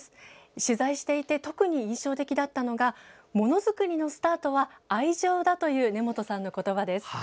取材していて特に印象的だったのがものづくりのスタートは愛情だという根本さんの言葉です。